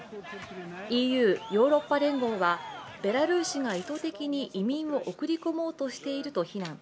ＥＵ＝ヨーロッパ連合はベラルーシが意図的に移民を送り込もうとしていると非難。